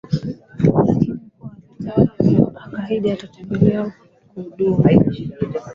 lakini huku akiahidi ataendelea kuhudumu